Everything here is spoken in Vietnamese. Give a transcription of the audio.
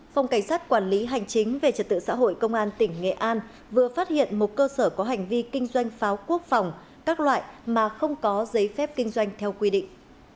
phòng cảnh sát quản lý hành chính về trật tự xã hội công an tỉnh nghệ an vừa phát hiện một cơ sở có hành vi kinh doanh pháo quốc phòng các loại mà không có giấy phép kinh doanh theo quy định